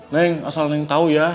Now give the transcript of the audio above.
neng asal neng tahu ya